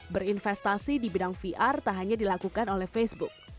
berinvestasi di bidang vr tak hanya dilakukan oleh facebook